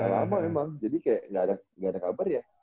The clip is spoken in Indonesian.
lama emang jadi kayak nggak ada kabar ya